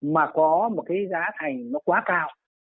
mà có một cái giá thành nó quá cao